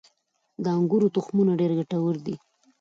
• د انګورو تخمونه ډېر ګټور دي.